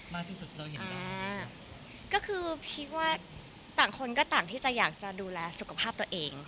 มากที่สุดเราเห็นมากก็คือพีคว่าต่างคนก็ต่างที่จะอยากจะดูแลสุขภาพตัวเอง